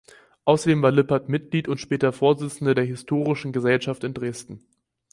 Außerdem war Lippert Mitglied und später Vorsitzender der Historischen Gesellschaft in Dresden.